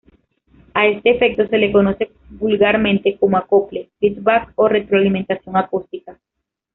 A este efecto se le conoce vulgarmente como "acople", feedback o retroalimentación acústica.